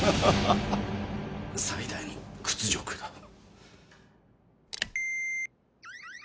最大の屈辱だ。